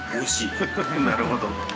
なるほど。